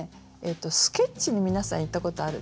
スケッチに皆さん行ったことあるでしょ？